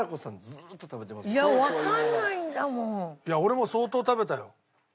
いや俺も相当食べたよ。